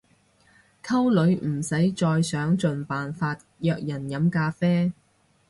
溝女唔使再想盡辦法約人飲咖啡